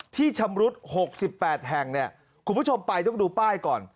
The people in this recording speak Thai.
ที่ชำรุด๖๘แห่งเนี่ยคุณผู้ชมไปต้องดูป้ายก่อน